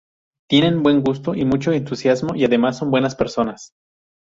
Tienen buen gusto y mucho entusiasmo, y además son buenas personas.